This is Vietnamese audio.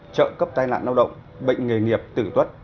trợ cấp tai nạn lao động bệnh nghề nghiệp tử tuất